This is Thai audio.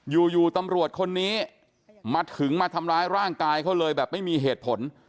อยู่อยู่ตำรวจคนนี้มาถึงมาทำร้ายร่างกายเขาเลยแบบไม่มีเหตุผล